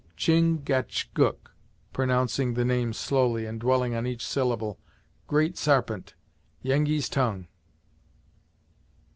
"Chin gach gook," pronouncing the name slowly, and dwelling on each syllable "Great Sarpent, Yengeese tongue."